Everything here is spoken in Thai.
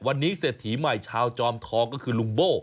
วันนี้เศรษฐีใหม่ชาวจอมทองก็คือลุงโบ้